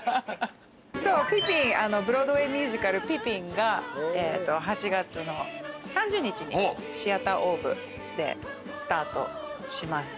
ブロードウェイミュージカル『ピピン』が８月３０日にシアターオーブでスタートします。